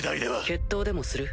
決闘でもする？